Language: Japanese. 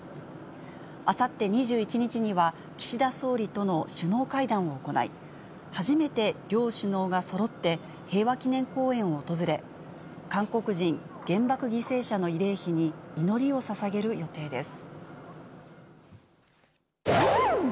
あさって２１日には、岸田総理との首脳会談を行い、初めて両首脳がそろって平和記念公園を訪れ、韓国人原爆犠牲者の慰霊碑に祈りをささげる予定です。